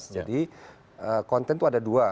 jadi konten itu ada dua